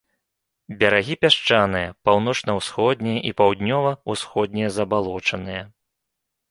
Берагі пясчаныя, паўночна-ўсходнія і паўднёва-ўсходнія забалочаныя.